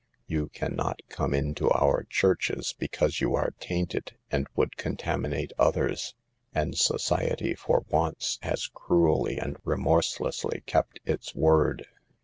You can not come into our churches because you are tainted and would contaminate others." And society, for once, has cruelly and remorselessly kept its word.